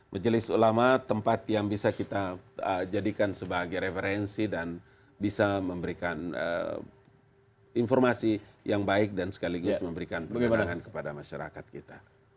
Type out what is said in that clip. majelis ulama tempat yang bisa kita jadikan sebagai referensi dan bisa memberikan informasi yang baik dan sekaligus memberikan pengundangan kepada masyarakat kita